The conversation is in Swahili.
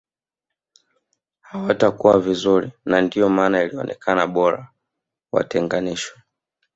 Hawatakua vizuri na ndio maana ilionekana bora watenganishwe